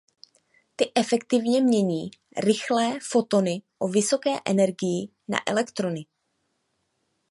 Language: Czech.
Ty efektivně mění rychlé fotony o vysoké energii na elektrony.